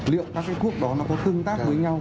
liệu các cái thuốc đó nó có tương tác với nhau